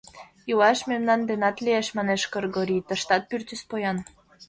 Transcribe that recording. — Илаш мемнан денат лиеш, — манеш Кыргорий, — тыштат пӱртӱс поян.